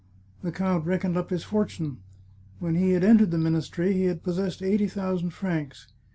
" The count reckoned up his fortune. When he had entered the ministry he had pos sessed eighty thousand francs.